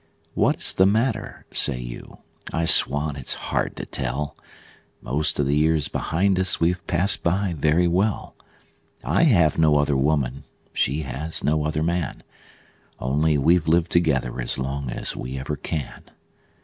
"What is the matter?" say you. I swan it's hard to tell! Most of the years behind us we've passed by very well; I have no other woman, she has no other man Only we've lived together as long as we ever can.